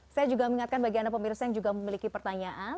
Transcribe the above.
saya juga mengingatkan bagi anda pemirsa yang juga memiliki pertanyaan